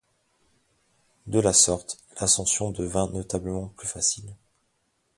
De la sorte, l’ascension devint notablement plus facile.